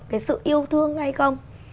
cái sự yêu thương hay không